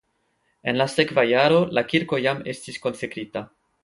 En la sekva jaro la kirko jam estis konsekrita.